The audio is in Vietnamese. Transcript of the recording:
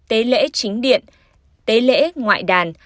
tế lễ chính điện tế lễ ngoại đàn